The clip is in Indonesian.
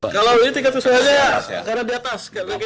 kalau ini tiga tusuk saja ya karena di atas